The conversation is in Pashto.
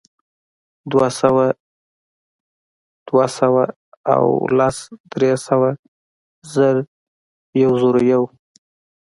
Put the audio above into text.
دوهسوه، دوه سوه او لس، درې سوه، زر، یوزرویو